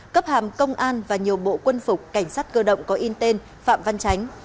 cấp hàm công an và nhiều bộ quân phục cảnh sát cơ động có in tên phạm văn chánh